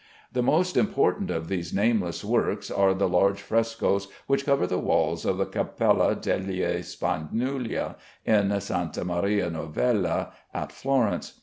The most important of these nameless works are the large frescoes which cover the walls of the Capella degli Spagnuoli, in Sta. Maria Novella at Florence.